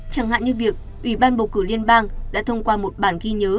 chẳng hạn như việc ủy ban bầu cử liên bang đã thông qua một bản ghi nhớ